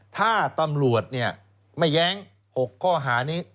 ถ้าตำรวจไม่แย้ง๖ข้อหานี้